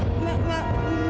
tidak ada kum